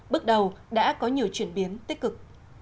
bước đầu đã có nhiều chuyển biến tích cực